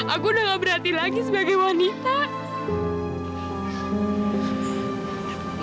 aku udah gak berhati lagi sebagai wanita